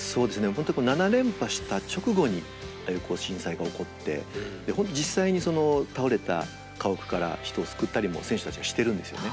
本当７連覇した直後にああいう震災が起こって実際に倒れた家屋から人を救ったりも選手たちがしてるんですよね。